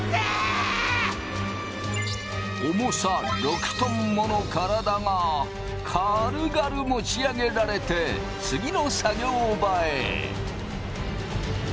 重さ６トンもの体が軽々持ち上げられて次の作業場へ。